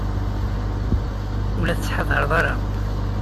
Ur la tettḥadar ara.